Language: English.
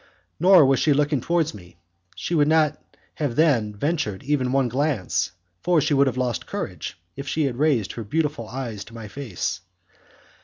Nor was she looking towards me, she would not have then ventured even one glance, for she would have lost courage, if she had raised her beautiful eyes to my face.